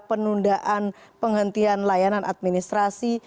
penundaan penghentian layanan administrasi